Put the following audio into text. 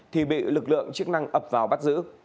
thì bị lực lượng chức năng ập vào bắt giữ